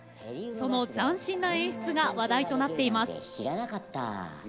その斬新な演出が話題となっています。